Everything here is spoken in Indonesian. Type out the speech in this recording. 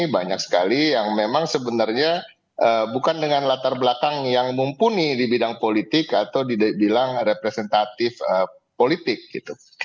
banyak sekali yang memang sebenarnya bukan dengan latar belakang yang mumpuni di bidang politik atau dibilang representatif politik gitu